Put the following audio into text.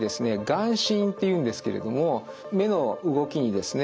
眼振っていうんですけれども目の動きにですね